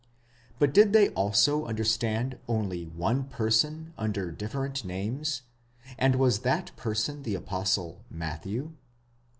But did they also understand only one person under different names, and was that person the Apostle Matthew